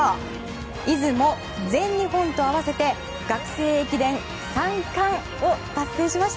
出雲、全日本と合わせて学生駅伝３冠を達成しました。